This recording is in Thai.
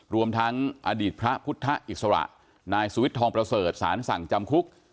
รวมทั้งอดีตพระพุทธอิสระนายสุวิทย์ทองประเสริฐสารสั่งจำคุก